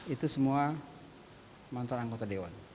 itu semua mantan anggota dewan